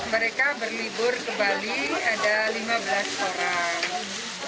mereka berlibur ke bali ada lima belas orang